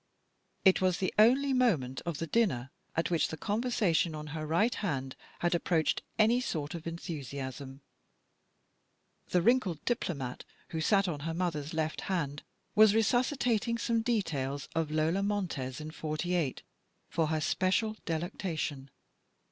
It was the only moment of the dinner at which the con versation on her right hand had approached any sort of enthusiasm. The wrinkled diplomat, who sat on her mother's left hand, was resuscitating some details of Lola Montez in '48 for her special delectation.